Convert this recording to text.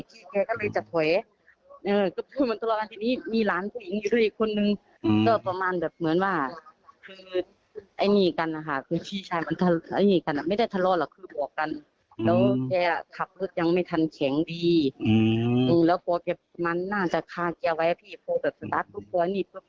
เขาก็เลยจะถอยเออมันตลอดทีนี้มีหลานผู้หญิงอยู่ด้วยคนหนึ่ง